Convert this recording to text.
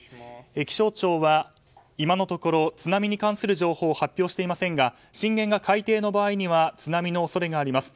気象庁は、今のところ津波に関する情報を発表していませんが震源が海底の場合には津波の恐れがあります。